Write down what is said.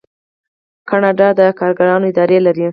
کاناډا د کارګرانو اداره لري.